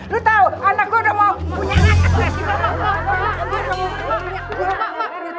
lu tahu anak gue udah mau punya anak